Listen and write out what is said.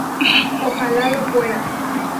Ojalá lo fuera.